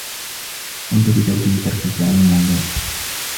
قمت بتوجيه تركيزي على الموضوع.